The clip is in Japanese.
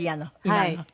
はい。